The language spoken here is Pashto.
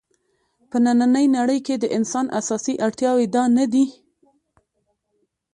په نننۍ نړۍ کې د انسان اساسي اړتیاوې دا نه دي.